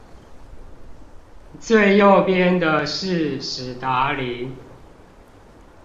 最右邊的是史達林